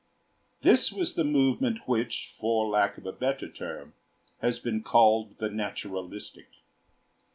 This was the movement which, for lack of a better term, has been called the naturalistic.